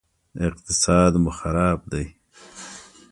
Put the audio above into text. اقتصاد مو خراب دی